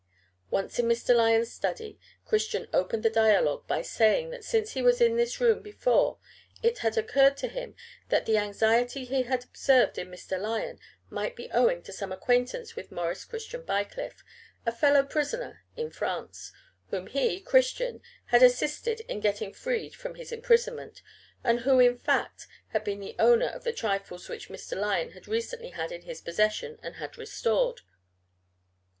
Once in Mr. Lyon's study, Christian opened the dialogue by saying that since he was in this room before it had occurred to him that the anxiety he had observed in Mr. Lyon might be owing to some acquaintance with Maurice Christian Bycliffe a fellow prisoner in France, whom he, Christian, had assisted in getting freed from his imprisonment, and who, in fact, had been the owner of the trifles which Mr. Lyon had recently had in his possession and had restored.